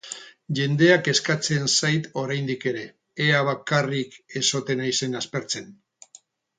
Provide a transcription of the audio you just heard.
Jendea kezkatzen zait oraindik ere, ea bakarrik ez ote naizen aspertzen!